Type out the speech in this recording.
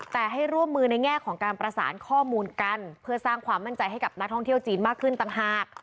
แต่ให้ร่วมมือในแง่ของการประสานข้อมูลกันเพื่อสร้างความมั่นใจให้กับนักท่องเที่ยวจีนมากขึ้นต่างหาก